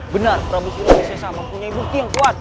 benar prabu surawisesa mempunyai bukti yang kuat